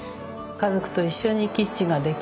家族と一緒にキッチンができる。